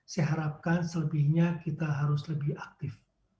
saya harapkan selebihnya kita harus lebih aktif